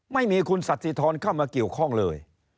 ไม่มีคุณสถิธรเข้ามาเกี่ยวข้องเลย